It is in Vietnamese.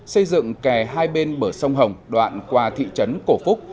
xây dựng kè hai bên bờ sông hồng đoạn qua thị trấn cổ phúc